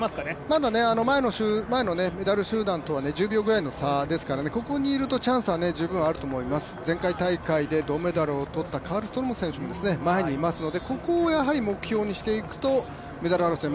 まだ前のメダル集団とは１０秒ぐらいの差ですからここにいるとチャンスは十分にあると思います、前回大会で銅メダルをとったカルストロームも前にいますので、ここを目標にしていくとメダル争い